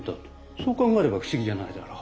そう考えれば不思議じゃないだろう。